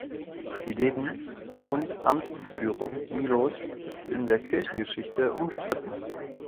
Die Lebens- und Amtsführung Milos ist in der Kirchengeschichte umstritten.